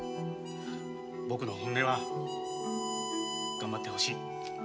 僕の本音は頑張ってほしい。